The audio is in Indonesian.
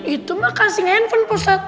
itu mah kasih handphone pak ustadz